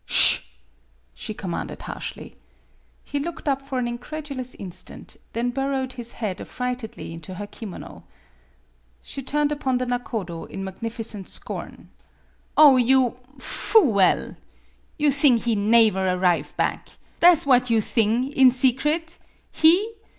"Sb!" she commanded harshly. He looked up for an incredulous instant, then burrowed his head affrightedly into her 34 MADAME BUTTERFLY kimono. She turned upon the nakodo in magnificent scorn. " Ohyoufoo el! You thing he naever arrive back. Tha' 's what you thing in secret! He?